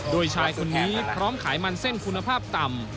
โดยชายคนนี้พร้อมขายมันเส้นคุณภาพต่ำ